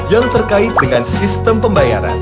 yang terkait dengan sistem pembayaran